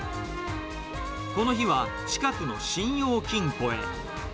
この日は、近くの信用金庫へ。